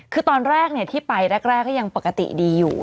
คือตอนแรกที่ไปแรกก็ยังปกติดีอยู่